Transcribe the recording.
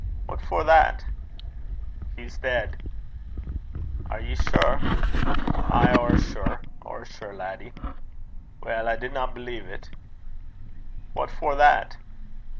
'What for that?' 'He's deid.' 'Are ye sure?' 'Ay, ower sure ower sure, laddie.' 'Weel, I dinna believe 't.' 'What for that?'